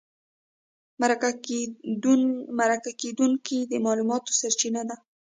مرکه کېدونکی د معلوماتو سرچینه ده.